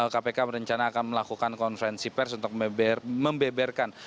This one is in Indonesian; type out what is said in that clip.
kpk berencana akan melakukan konferensi pers untuk membeberkan